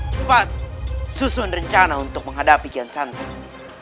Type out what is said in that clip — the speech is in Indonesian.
cepat susun rencana untuk menghadapi kian santan